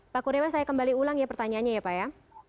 pak kurniawan saya kembali ulang ya pertanyaannya ya pak ya